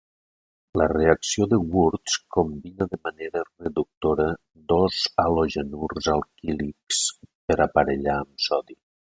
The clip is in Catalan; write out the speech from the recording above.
La reacció de Wurtz combina de manera reductora dos halogenurs alquílics per aparellar amb sodi.